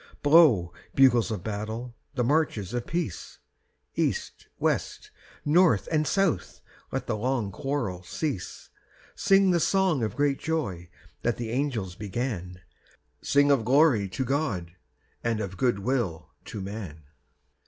III. Blow, bugles of battle, the marches of peace; East, west, north, and south let the long quarrel cease Sing the song of great joy that the angels began, Sing of glory to God and of good will to man!